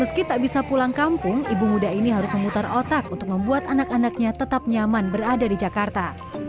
meski tak bisa pulang kampung ibu muda ini harus memutar otak untuk membuat anak anaknya tetap nyaman berada di jakarta